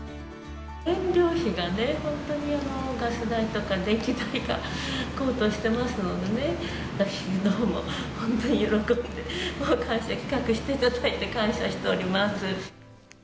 燃料費がね、本当にガス代とか電気代が高騰してますのでね、私どもも、本当に喜んで、感謝して、企画していただいて感謝しております。